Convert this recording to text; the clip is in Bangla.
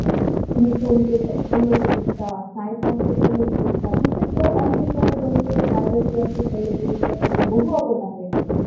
তিনি ফলিত শল্যচিকিৎসা, স্নায়ুতন্ত্রের শল্যচিকিৎসা বিশেষ করে অন্তঃক্ষরা গ্রন্থি ও থাইরয়েড গ্রন্থির শল্যচিকিৎসার ক্ষেত্রে বহু অবদান রেখেছেন।